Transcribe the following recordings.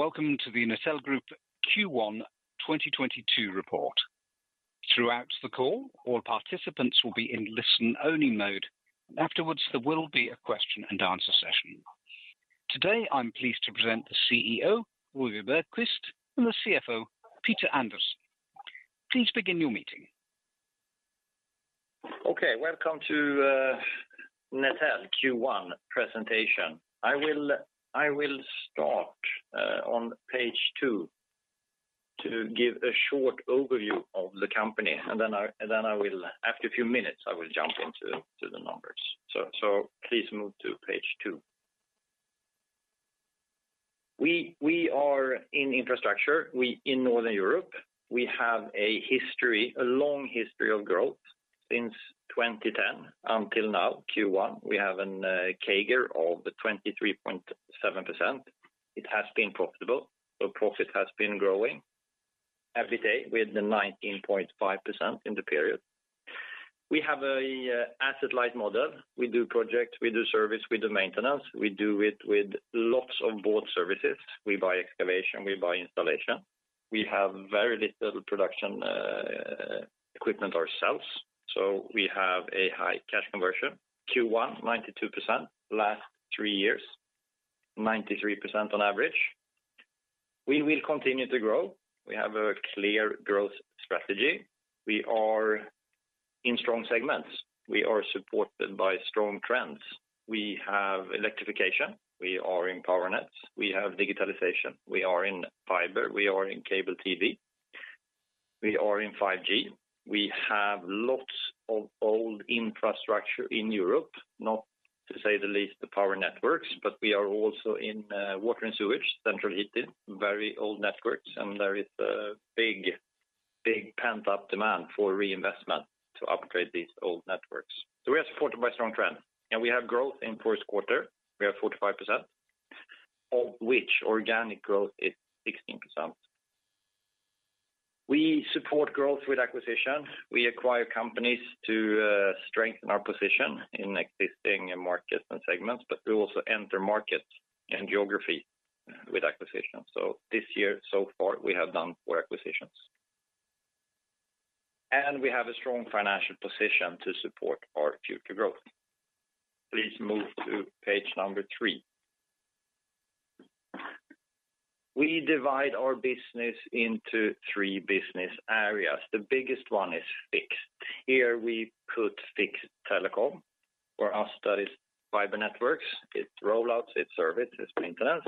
Welcome to the Netel Group Q1 2022 report. Throughout the call, all participants will be in listen-only mode. Afterwards, there will be a question and answer session. Today, I'm pleased to present the CEO, Ove Bergkvist, and the CFO, Peter Andersson. Please begin your meeting. Okay, welcome to Netel Q1 presentation. I will start on page two to give a short overview of the company, and then after a few minutes, I will jump into the numbers. Please move to page two. We are in infrastructure. We in Northern Europe have a long history of growth since 2010 until now, Q1. We have a CAGR of 23.7%. It has been profitable. The profit has been growing every year with the 19.5% in the period. We have an asset-light model. We do project, we do service, we do maintenance. We do it with lots of bought services. We buy excavation, we buy installation. We have very little production equipment ourselves, so we have a high cash conversion. Q1, 92%. Last three years, 93% on average. We will continue to grow. We have a clear growth strategy. We are in strong segments. We are supported by strong trends. We have electrification. We are in power nets. We have digitalization. We are in fiber. We are in cable TV. We are in 5G. We have lots of old infrastructure in Europe, not to say the least, the power networks, but we are also in water and sewage, central heating, very old networks, and there is a big, big pent-up demand for reinvestment to upgrade these old networks. We are supported by strong trend. We have growth in Q1. We are 45%, of which organic growth is 16%. We support growth with acquisition. We acquire companies to strengthen our position in existing markets and segments, but we also enter markets and geography with acquisition. This year, so far, we have done 4 acquisitions. We have a strong financial position to support our future growth. Please move to page number 3. We divide our business into three business areas. The biggest one is fixed. Here we put fixed telecom. For us, that is fiber networks. It's rollouts, it's service, it's maintenance.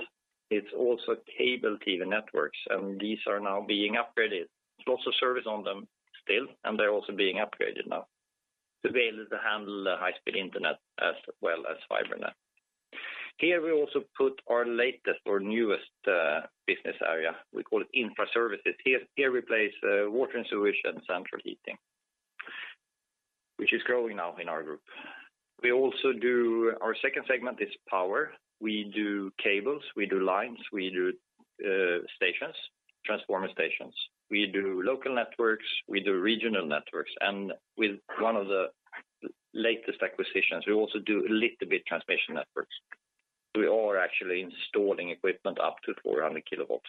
It's also cable TV networks. These are now being upgraded. There's lots of service on them still, and they're also being upgraded now to be able to handle the high-speed internet as well as fiber net. Here we also put our latest or newest business area. We call it Infraservices. Here we place water and sewage and central heating, which is growing now in our group. Our second segment is power. We do cables, we do lines, we do stations, transformer stations. We do local networks, we do regional networks. With one of the latest acquisitions, we also do a little bit transmission networks. We are actually installing equipment up to 400 kilowatts.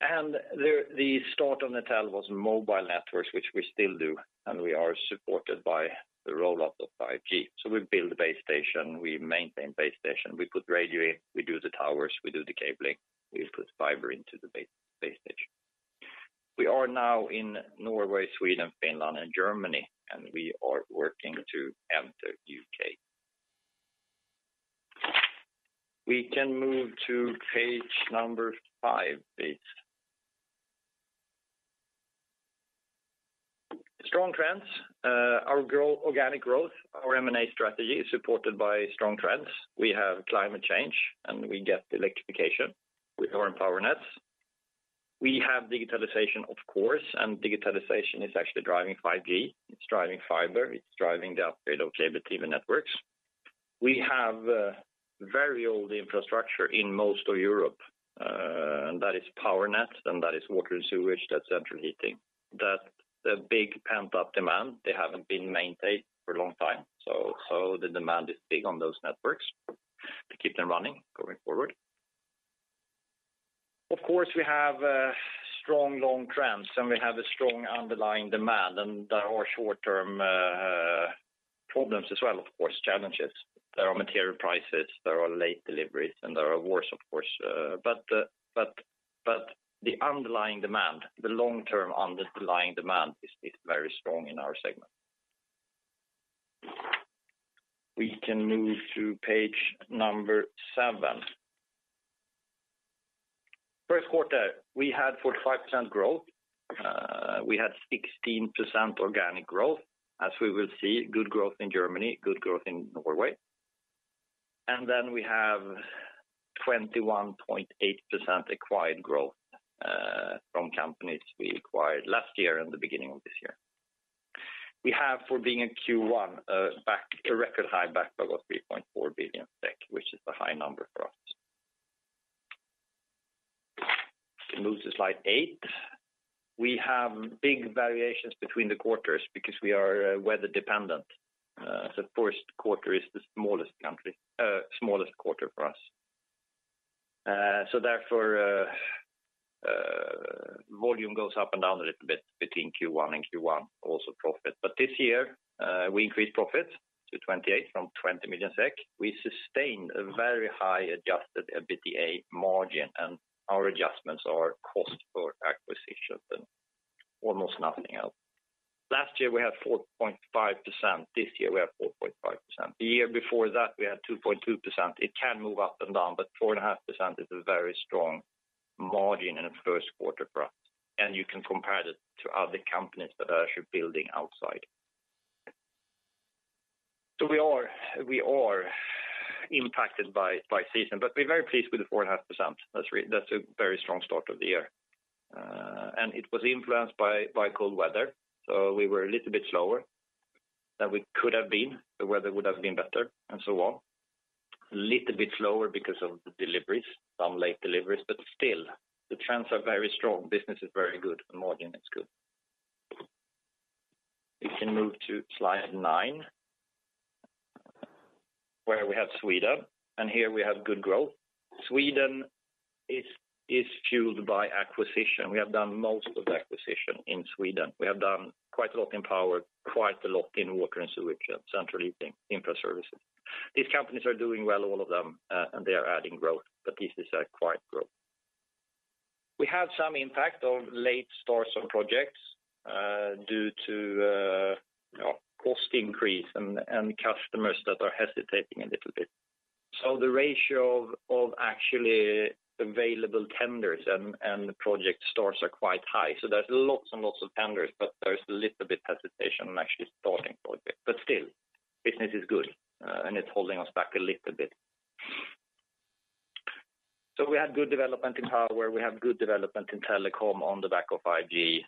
The start of Netel was mobile networks, which we still do, and we are supported by the rollout of 5G. We build the base station, we maintain base station, we put radio in, we do the towers, we do the cabling, we put fiber into the base station. We are now in Norway, Sweden, Finland, and Germany, and we are working to enter U.K. We can move to page number 5, please. Strong trends. Organic growth, our M&A strategy is supported by strong trends. We have climate change, and we get electrification with our power nets. We have digitalization, of course, and digitalization is actually driving 5G. It's driving fiber. It's driving the upgrade of cable TV networks. We have very old infrastructure in most of Europe, and that is power net, and that is water and sewage, that's central heating. That's a big pent-up demand. They haven't been maintained for a long time. The demand is big on those networks to keep them running going forward. Of course, we have strong long trends, and we have a strong underlying demand and there are short-term problems as well, of course, challenges. There are material prices, there are late deliveries, and there are wars, of course. But the underlying demand, the long-term underlying demand is very strong in our segment. We can move to page number 7. Q1, we had 45% growth. We had 16% organic growth. As we will see, good growth in Germany, good growth in Norway. Then we have 21.8% acquired growth, from companies we acquired last year and the beginning of this year. We have, for being in Q1, a record high backlog of 3.4 billion SEK, which is a high number for us. Can move to slide eight. We have big variations between the quarters because we are weather dependent. The Q1 is the smallest quarter for us. Therefore, volume goes up and down a little bit between Q1 and Q1, also profit. This year, we increased profit to 28 million from 20 million SEK. We sustained a very high adjusted EBITDA margin, and our adjustments are cost for acquisitions and almost nothing else. Last year, we had 4.5%, this year we have 4.5%. The year before that, we had 2.2%. It can move up and down, but 4.5% is a very strong margin in the Q1 for us. You can compare that to other companies that are actually building outside. We are impacted by season, but we're very pleased with the 4.5%. That's a very strong start of the year. It was influenced by cold weather. We were a little bit slower than we could have been. The weather would have been better and so on. A little bit slower because of the deliveries, some late deliveries, but still the trends are very strong. Business is very good, the margin is good. We can move to slide nine, where we have Sweden, and here we have good growth. Sweden is fueled by acquisition. We have done most of the acquisition in Sweden. We have done quite a lot in power, quite a lot in water and sewage and central heating, infra services. These companies are doing well, all of them, and they are adding growth, but this is a quiet growth. We have some impact of late starts on projects, due to you know, cost increase and customers that are hesitating a little bit. The ratio of actually available tenders and project starts are quite high. There's lots and lots of tenders, but there's a little bit hesitation on actually starting projects. Still, business is good, and it's holding us back a little bit. We had good development in power. We have good development in telecom on the back of 5G.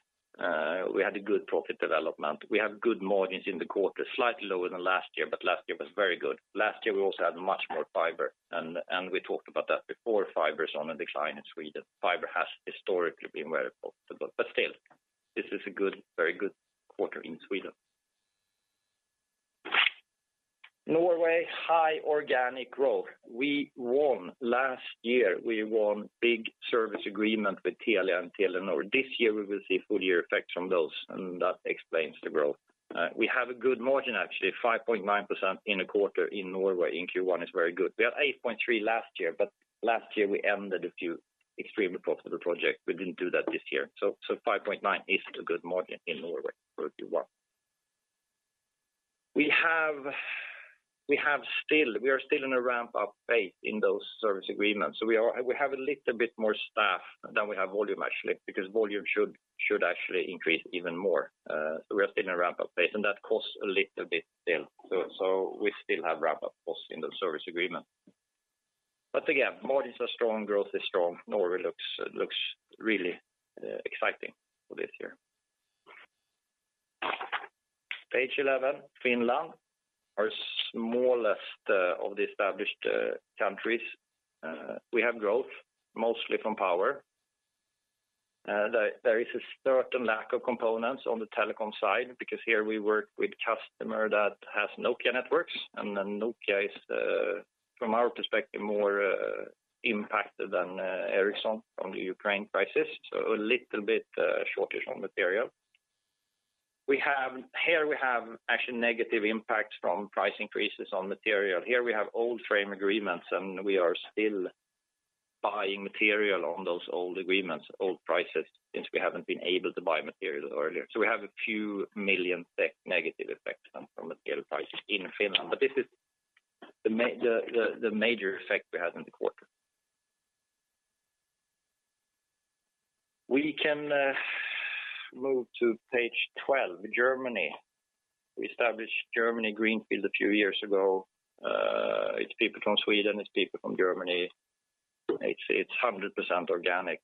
We had a good profit development. We have good margins in the quarter, slightly lower than last year, but last year was very good. Last year, we also had much more fiber, and we talked about that before. Fiber is on a decline in Sweden. Fiber has historically been very profitable. Still, this is a good, very good quarter in Sweden. Norway, high organic growth. We won last year big service agreement with Telia and Telenor. This year, we will see full year effects from those, and that explains the growth. We have a good margin, actually, 5.9% in a quarter in Norway in Q1 is very good. We had 8.3% last year, but last year we ended a few extremely profitable projects. We didn't do that this year. 5.9% is a good margin in Norway for Q1. We are still in a ramp up phase in those service agreements. We have a little bit more staff than we have volume actually, because volume should actually increase even more. We are still in a ramp up phase, and that costs a little bit still. We still have ramp up costs in the service agreement. Margins are strong, growth is strong. Norway looks really exciting for this year. Page 11, Finland, our smallest of the established countries. We have growth mostly from power. There is a certain lack of components on the telecom side because here we work with customer that has Nokia networks, and then Nokia is from our perspective more impacted than Ericsson from the Ukraine crisis. A little bit shortage on material. Here we have actually negative impacts from price increases on material. Here we have old frame agreements, and we are still buying material on those old agreements, old prices, since we haven't been able to buy materials earlier. We have a few -million effect from material prices in Finland. This is the major effect we have in the quarter. We can move to page 12, Germany. We established Germany greenfield a few years ago. It's people from Sweden, it's people from Germany. It's 100% organic.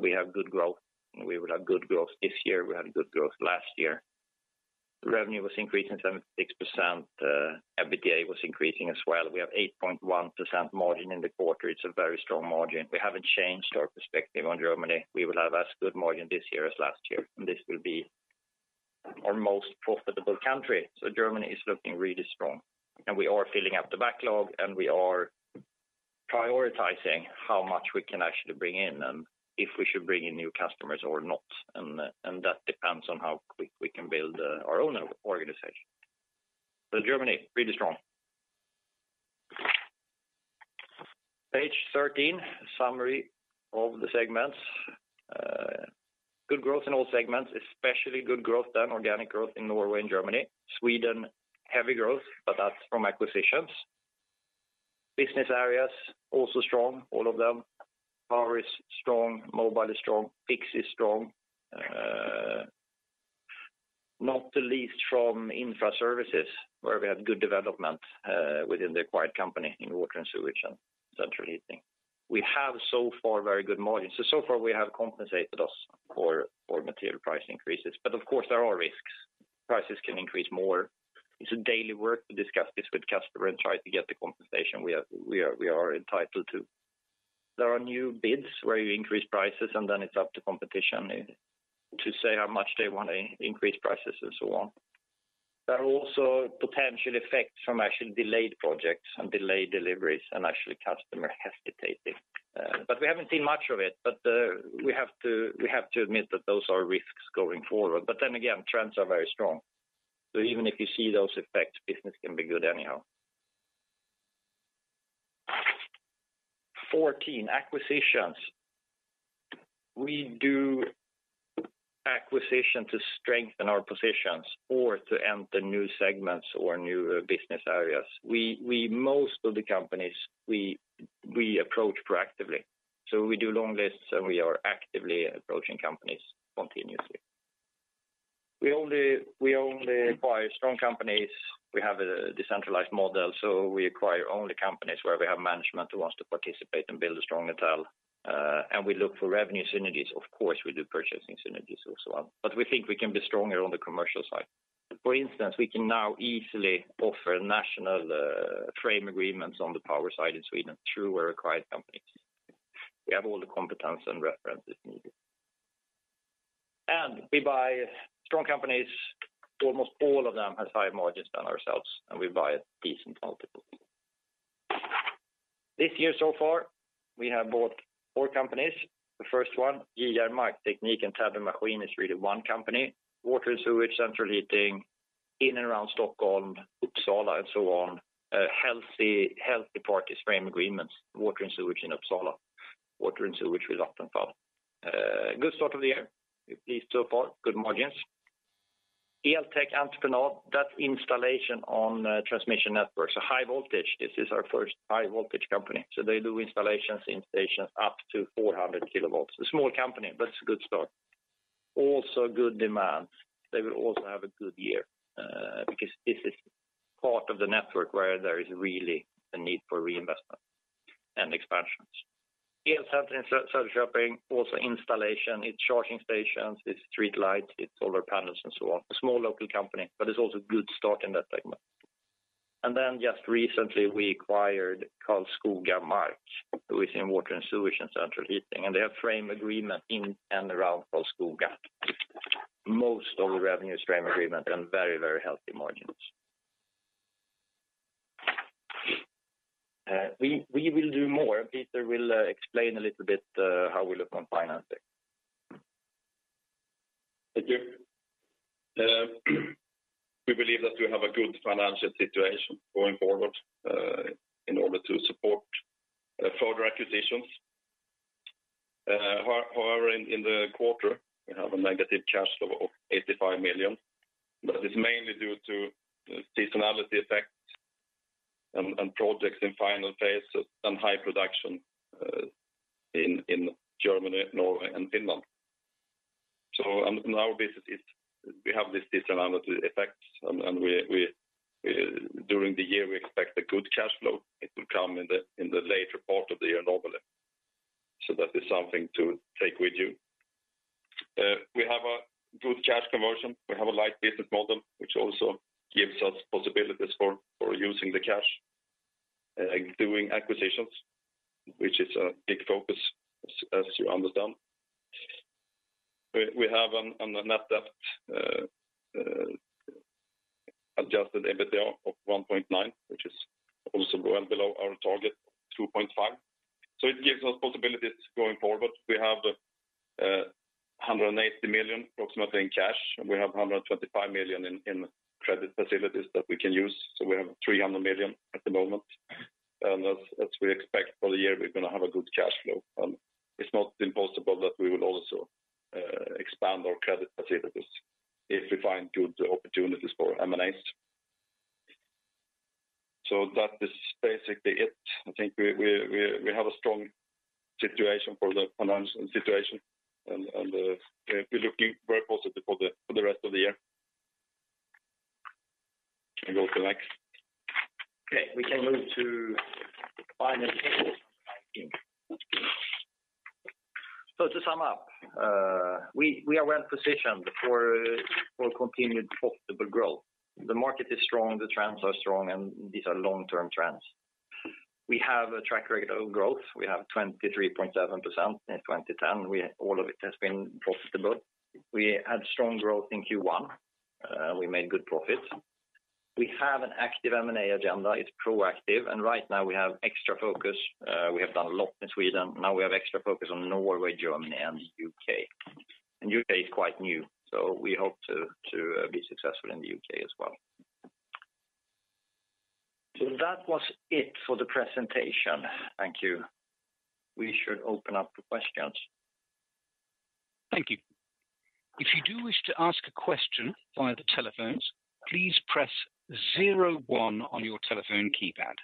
We have good growth, and we will have good growth this year. We had good growth last year. Revenue was increasing 7.6%. EBITDA was increasing as well. We have 8.1% margin in the quarter. It's a very strong margin. We haven't changed our perspective on Germany. We will have as good margin this year as last year, and this will be our most profitable country. Germany is looking really strong, and we are filling up the backlog, and we are prioritizing how much we can actually bring in, and if we should bring in new customers or not. That depends on how quick we can build our own organization. Germany, really strong. Page 13, summary of the segments. Good growth in all segments, especially good growth, the organic growth in Norway and Germany. Sweden, heavy growth, but that's from acquisitions. Business areas, also strong, all of them. Power is strong, mobile is strong, fixed is strong. Not the least from Infraservices, where we have good development within the acquired company in water and sewage and central heating. We have so far very good margin. So far we have compensated us for material price increases. Of course, there are risks. Prices can increase more. It's a daily work to discuss this with customer and try to get the compensation we are entitled to. There are new bids where you increase prices, and then it's up to competition to say how much they wanna increase prices and so on. There are also potential effects from actually delayed projects and delayed deliveries and actually customer hesitating. We haven't seen much of it, we have to admit that those are risks going forward. Then again, trends are very strong. Even if you see those effects, business can be good anyhow. 14 acquisitions. We do acquisition to strengthen our positions or to enter new segments or new business areas. Most of the companies we approach proactively, so we do long lists, and we are actively approaching companies continuously. We only acquire strong companies. We have a decentralized model, so we acquire only companies where we have management who wants to participate and build a strong Netel, and we look for revenue synergies. Of course, we do purchasing synergies also, but we think we can be stronger on the commercial side. For instance, we can now easily offer national frame agreements on the power side in Sweden through our acquired companies. We have all the competence and references needed. We buy strong companies. Almost all of them has higher margins than ourselves, and we buy a decent multiple. This year so far, we have bought 4 companies. The first one, JR Markteknik and Täby Maskin, is really one company. Water and sewage, central heating in and around Stockholm, Uppsala, and so on. A healthy party's frame agreements, water and sewage in Uppsala, water and sewage with Vattenfall. Good start of the year. We're pleased so far. Good margins. Eltek Entreprenad, that installation on transmission networks, a high voltage. This is our first high voltage company, so they do installations in stations up to 400 kW. A small company, but it's a good start. Also good demand. They will also have a good year, because this is part of the network where there is really a need for reinvestment and expansions. Elcenter in Södertälje, also installation, it's charging stations, it's streetlights, it's solar panels and so on. A small local company, but it's also a good start in that segment. Then just recently, we acquired Karlskoga Mark within water and sewage and central heating, and they have frame agreement in and around Karlskoga. Most of the revenue is frame agreement and very, very healthy margins. We will do more. Peter will explain a little bit how we look on financing. Thank you. We believe that we have a good financial situation going forward, in order to support further acquisitions. However, in the quarter, we have a negative cash flow of 85 million, but it's mainly due to seasonality effects and projects in final phases and high production in Germany, Norway, and Finland. On our businesses, we have this seasonality effects, and we during the year, we expect a good cash flow. It will come in the later part of the year normally. That is something to take with you. We have a good cash conversion. We have a light business model, which also gives us possibilities for using the cash doing acquisitions, which is a big focus, as you understand. We have a net debt to adjusted EBITDA of 1.9, which is also well below our target of 2.5. It gives us possibilities going forward. We have 180 million approximately in cash, and we have 125 million in credit facilities that we can use, so we have 300 million at the moment. As we expect for the year, we're gonna have a good cash flow. It's not impossible that we will also expand our credit facilities if we find good opportunities for M&As. That is basically it. I think we have a strong situation for the financial situation, and we're looking very positive for the rest of the year. Can you go to the next? Okay, we can move to final conclusions slide, please. To sum up, we are well-positioned for continued profitable growth. The market is strong, the trends are strong, and these are long-term trends. We have a track record of growth. We have 23.7% in 2010. All of it has been profitable. We had strong growth in Q1. We made good profits. We have an active M&A agenda. It's proactive, and right now we have extra focus. We have done a lot in Sweden. Now we have extra focus on Norway, Germany, and U.K. U.K. is quite new, so we hope to be successful in the U.K. as well. That was it for the presentation. Thank you. We should open up to questions. Thank you. If you do wish to ask a question via the telephones, please press zero-one on your telephone keypad.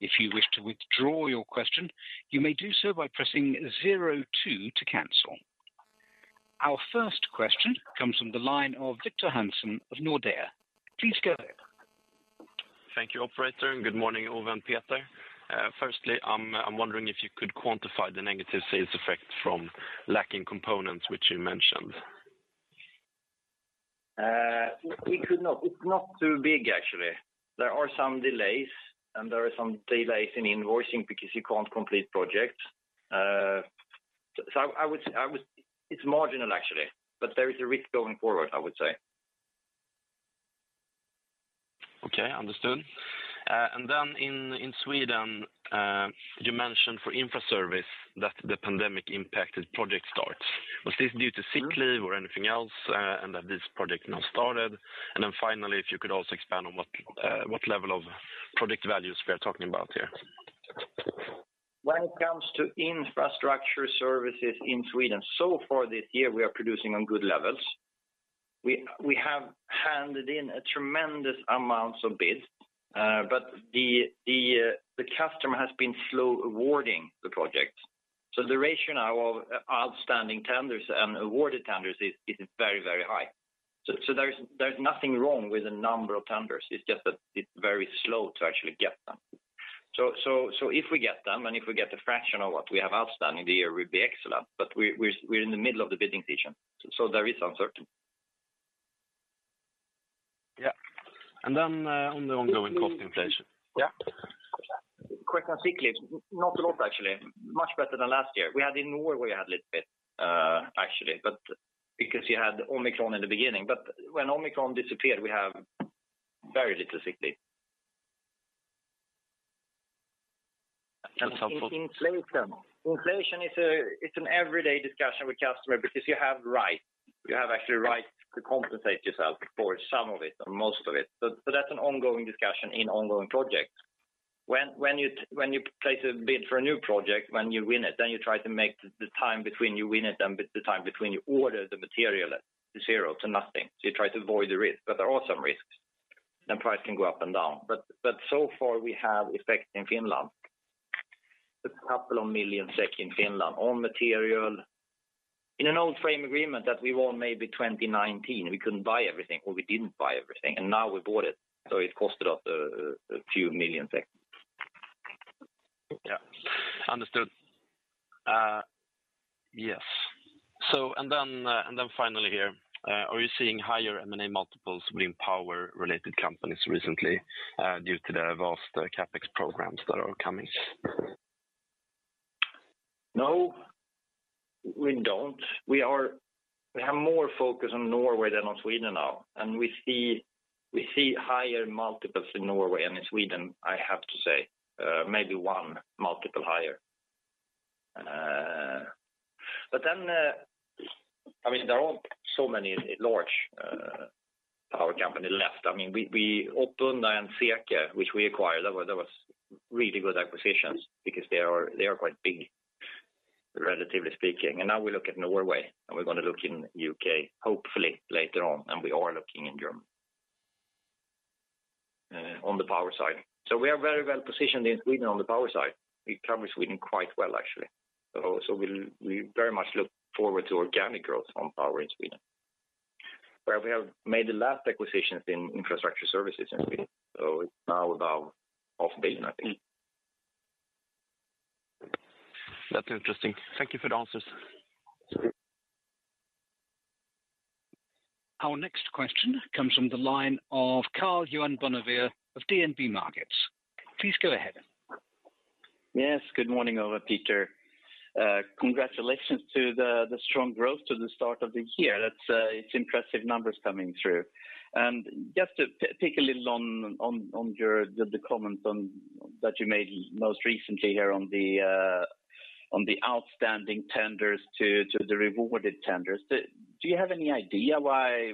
If you wish to withdraw your question, you may do so by pressing zero-two to cancel. Our first question comes from the line of Victor Hansen of Nordea. Please go ahead. Thank you, operator. Good morning, Ove and Peter. Firstly, I'm wondering if you could quantify the negative sales effect from lacking components which you mentioned. We could not. It's not too big, actually. There are some delays in invoicing because you can't complete projects. It's marginal, actually, but there is a risk going forward, I would say. Okay, understood. In Sweden, you mentioned for Infraservices that the pandemic impacted project starts. Was this due to sick leave or anything else, and that this project now started? Finally, if you could also expand on what level of project values we are talking about here. When it comes to infrastructure services in Sweden, so far this year, we are producing on good levels. We have handed in a tremendous amount of bids, but the customer has been slow awarding the projects. The ratio now of outstanding tenders and awarded tenders is very high. There's nothing wrong with the number of tenders. It's just that it's very slow to actually get them. If we get them, and if we get a fraction of what we have outstanding, the year will be excellent. We're in the middle of the bidding season, so there is uncertainty. Yeah. On the ongoing cost inflation. Yeah. Quite frankly, not a lot, actually. Much better than last year. We had in Norway a little bit, actually, but because you had Omicron in the beginning. When Omicron disappeared, we have very little sick leave. Some inflation. Inflation is an everyday discussion with customer because you have rights. You have actually rights to compensate yourself for some of it or most of it. That's an ongoing discussion in ongoing projects. When you place a bid for a new project, when you win it, then you try to make the time between you win it and the time between you order the material zero to nothing. So you try to avoid the risk. There are some risks, and price can go up and down. So far, we have effect in Finland. SEK a couple million in Finland on material. In an old frame agreement that we won maybe 2019, we couldn't buy everything, or we didn't buy everything, and now we bought it, so it costed us a few million SEK. Yeah. Understood. Yes. And then finally here, are you seeing higher M&A multiples within power-related companies recently, due to the vast CapEx programs that are coming? No, we don't. We have more focus on Norway than on Sweden now, and we see higher multiples in Norway than in Sweden, I have to say, maybe one multiple higher. But then, I mean, there aren't so many large power companies left. I mean, Elvia and Cirkel, which we acquired, that was really good acquisitions because they are quite big, relatively speaking. Now we look at Norway, and we're gonna look in U.K., hopefully later on, and we are looking in Germany on the power side. We are very well positioned in Sweden on the power side. We cover Sweden quite well, actually. We very much look forward to organic growth on power in Sweden, where we have made the last acquisitions in infrastructure services in Sweden. It's now about off base, I think. That's interesting. Thank you for the answers. Our next question comes from the line of Karl-Johan Bonnevier of DNB Markets. Please go ahead. Yes. Good morning, Ove and Peter. Congratulations to the strong growth to the start of the year. That's, it's impressive numbers coming through. Just to pick up a little on your comments that you made most recently here on the outstanding tenders to the rewarded tenders. Do you have any idea why,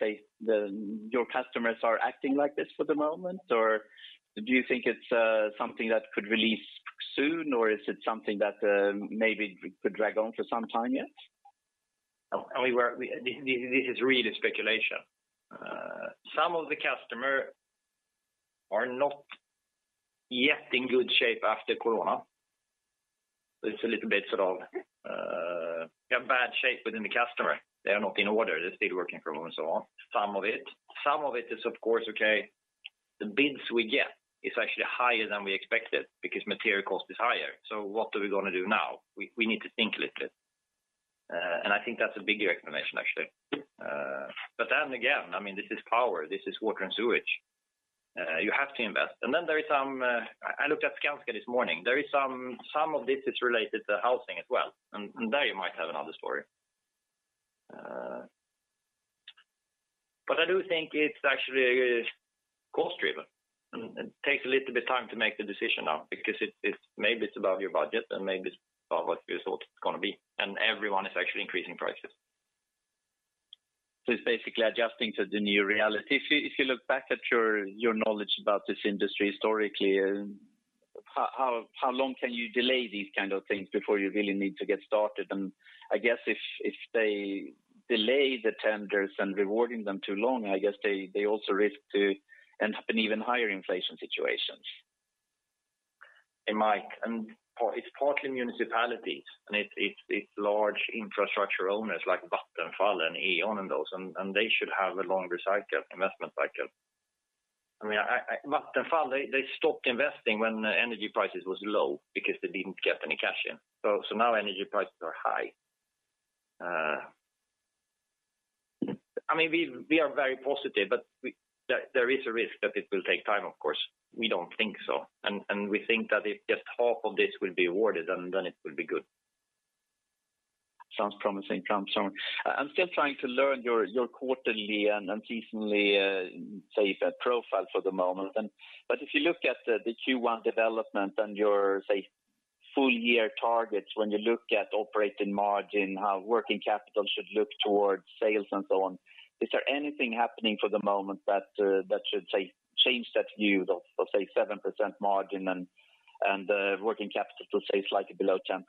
say, your customers are acting like this for the moment? Or do you think it's something that could release soon? Or is it something that maybe could drag on for some time yet? I mean, this is really speculation. Some of the customers are not yet in good shape after corona. It's a little bit sort of, yeah, bad shape within the customers. They are not in order. They're still working from home and so on. Some of it. Some of it is of course okay, the bids we get is actually higher than we expected because material cost is higher. What are we gonna do now? We need to think a little bit. I think that's a bigger explanation actually. But then again, I mean, this is power, this is water and sewage. You have to invest. There is some. I looked at Skanska this morning. There is some of this is related to housing as well, and there you might have another story. I do think it's actually cost-driven. It takes a little bit of time to make the decision now because it maybe it's above your budget, and maybe it's above what you thought it was gonna be, and everyone is actually increasing prices. It's basically adjusting to the new reality. If you look back at your knowledge about this industry historically, how long can you delay these kind of things before you really need to get started? I guess if they delay the tenders and awarding them too long, I guess they also risk to end up in even higher inflation situations. Hey, Mike. It's partly municipalities, and it's large infrastructure owners like Vattenfall and E.ON and those, and they should have a longer cycle, investment cycle. I mean, Vattenfall, they stopped investing when energy prices was low because they didn't get any cash in. Now energy prices are high. I mean, we are very positive, but there is a risk that it will take time, of course. We don't think so. We think that if just half of this will be awarded, then it will be good. Sounds promising, Ove. I'm still trying to learn your quarterly and seasonal profile for the moment. If you look at the Q1 development and your full year targets, when you look at operating margin, how working capital should look towards sales and so on, is there anything happening for the moment that should change that view of 7% margin and working capital to slightly below 10%?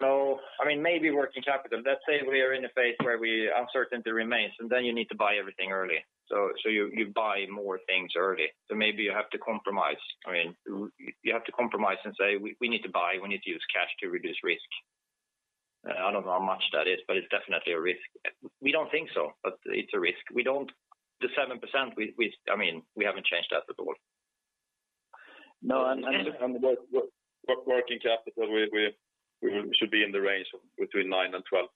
No. I mean, maybe working capital. Let's say we are in a phase where uncertainty remains, and then you need to buy everything early. So you buy more things early. So maybe you have to compromise. I mean, you have to compromise and say, "We need to buy. We need to use cash to reduce risk." I don't know how much that is, but it's definitely a risk. We don't think so, but it's a risk. The 7%, we—I mean, we haven't changed that at all. No, working capital, we should be in the range of between 9% and 12%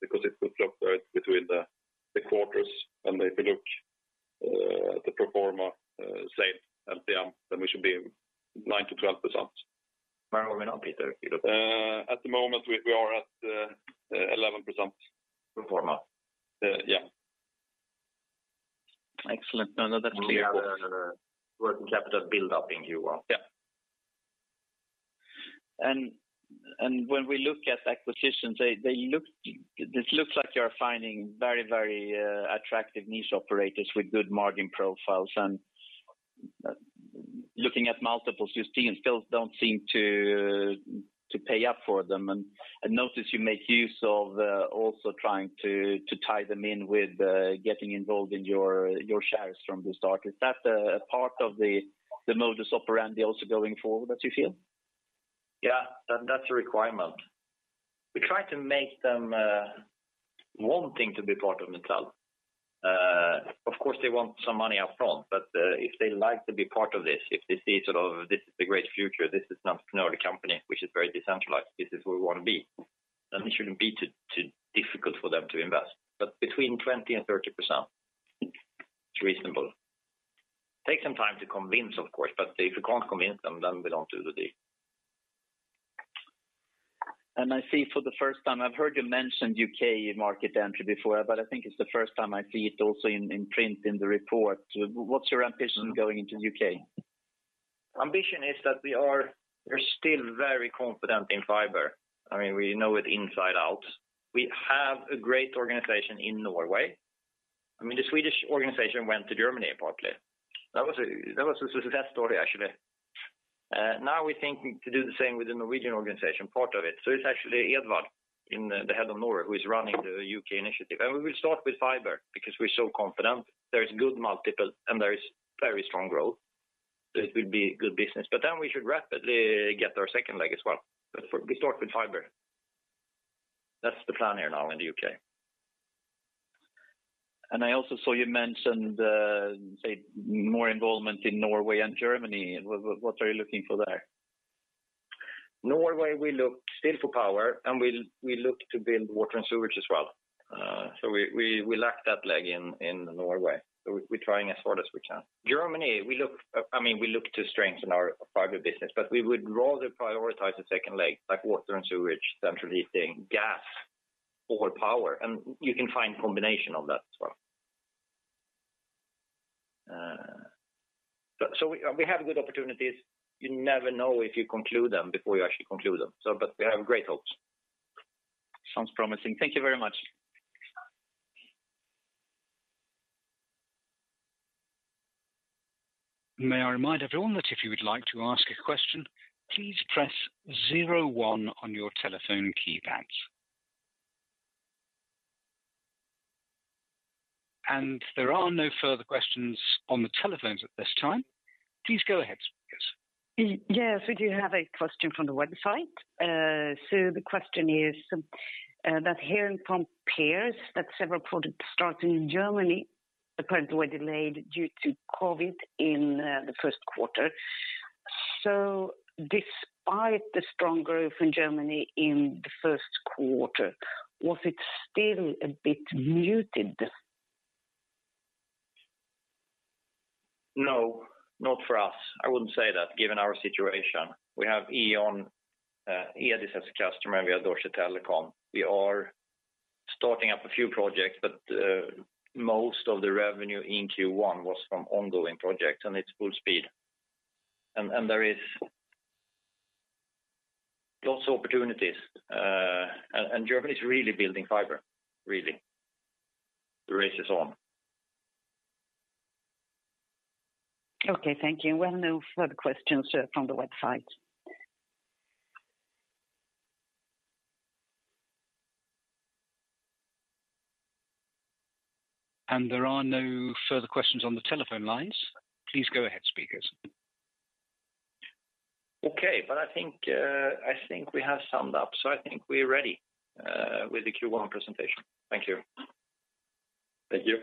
because it will fluctuate between the quarters. If you look at the pro forma sales LTM, then we should be 9%-12%. Where are we now, Peter? At the moment, we are at 11%. Pro forma? Yeah. Excellent. No, no, that's clear. We have a working capital buildup in Q1. Yeah. When we look at acquisitions, this looks like you're finding very attractive niche operators with good margin profiles. Looking at multiples, you still don't seem to pay up for them. I notice you make use of also trying to tie them in with getting involved in your shares from the start. Is that a part of the modus operandi also going forward that you feel? Yeah. That's a requirement. We try to make them wanting to be part of Netel. Of course, they want some money up front, but if they like to be part of this, if they see sort of this is the great future, this is an entrepreneurial company which is very decentralized, this is where we wanna be, then it shouldn't be too difficult for them to invest. Between 20% and 30% is reasonable. Take some time to convince, of course, but if you can't convince them, then we don't do the deal. I see for the first time, I've heard you mention U.K. market entry before, but I think it's the first time I see it also in print in the report. What's your ambition going into the U.K.? Ambition is that we're still very confident in fiber. I mean, we know it inside out. We have a great organization in Norway. I mean, the Swedish organization went to Germany partly. That was a success story, actually. Now we're thinking to do the same with the Norwegian organization, part of it. It's actually Edward the head of Norway who is running the U.K. initiative. We will start with fiber because we're so confident. There is good multiple, and there is very strong growth. It will be good business. We should rapidly get our second leg as well. We start with fiber. That's the plan here now in the U.K. I also saw you mention, say, more involvement in Norway and Germany. What are you looking for there? Norway, we look still for power, and we look to build water and sewage as well. We lack that leg in Norway. We're trying as hard as we can. Germany, we look to strengthen our fiber business, but we would rather prioritize the second leg, like water and sewage, central heating, gas or power. You can find combination of that as well. We have good opportunities. You never know if you conclude them before you actually conclude them. We have great hopes. Sounds promising. Thank you very much. May I remind everyone that if you would like to ask a question, please press zero one on your telephone keypads. There are no further questions on the telephones at this time. Please go ahead, speakers. Yes, we do have a question from the website. The question is, we're hearing from peers that several projects starting in Germany apparently were delayed due to COVID in the Q1. Despite the strong growth in Germany in the Q1, was it still a bit muted? No, not for us. I wouldn't say that given our situation. We have E.ON, E.ON is a customer, and we have Deutsche Telekom. We are starting up a few projects, but, most of the revenue in Q1 was from ongoing projects, and it's full speed. There is lots of opportunities, and Germany is really building fiber. Really. The race is on. Okay, thank you. We have no further questions from the website. There are no further questions on the telephone lines. Please go ahead, speakers. Okay. I think we have summed up. I think we're ready with the Q1 presentation. Thank you. Thank you.